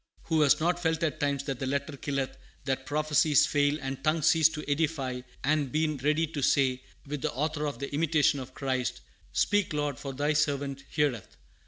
Who has not felt at times that the letter killeth, that prophecies fail, and tongues cease to edify, and been ready to say, with the author of the Imitation of Christ: "Speak, Lord, for thy servant heareth.